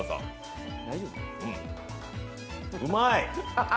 うまい。